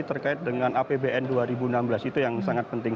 terkait dengan apbn dua ribu enam belas itu yang sangat penting